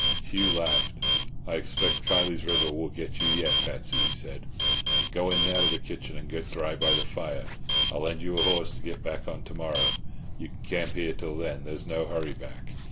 Hugh laughed. "I expect Kiley's River will get you yet, Patsy," he said. "Go in now to the kitchen and get dry by the fire. I'll lend you a horse to get back on to morrow. You can camp here till then, there's no hurry back."